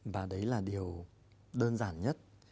và đấy là điều đơn giản nhất